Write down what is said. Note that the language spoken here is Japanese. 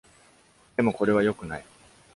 でも、これは良くない。